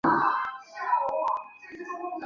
琉球峨螺是一种海螺的物种。